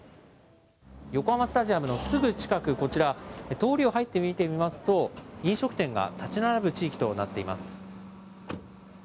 横浜スタジアムのすぐ近く、こちら、通りを入って見てみますと、飲食店が建ち並ぶ地域となっています。